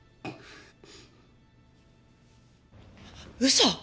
嘘！